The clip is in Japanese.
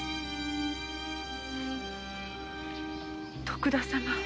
徳田様！